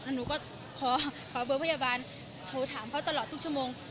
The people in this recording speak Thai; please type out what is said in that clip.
หนูก็ขอเบอร์พยาบาลโทรถามเขาตลอดทุกชั่วโมง